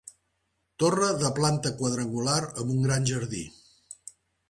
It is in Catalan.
Torre de planta quadrangular amb un gran jardí.